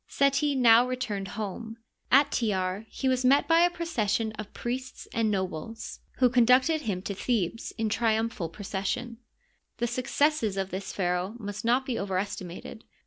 Seti now returned home. At Tjar he was met by a procession of priests and nobles, who con ducted him to Thebes in triumphal procession. The suc cesses of this pharaoh must not be overestimated.